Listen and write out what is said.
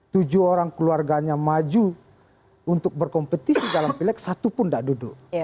tujuh orang keluarganya maju untuk berkompetisi dalam pilek satu pun tidak duduk